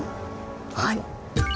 はい。